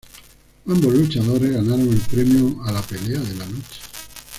Ambos luchadores ganaron el premio a la "Pelea de la Noche".